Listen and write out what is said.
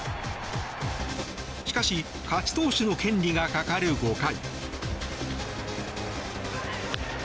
しかし、勝ち投手の権利がかかる５回。